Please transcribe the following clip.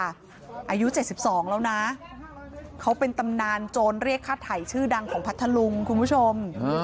อายุ๗๒แล้วนะเขาเป็นตำนานโจรเรียกค่าไถ่ชื่อดังของพัทธลุงคุณผู้ชม